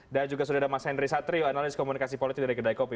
dan juga sudah ada mas henry satrio analisis komunikasi politik dari gedai kopi